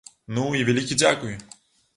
Ну, і вялікі дзякуй!